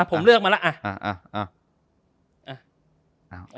อ่ะผมเลือกมาแล้วอ่ะ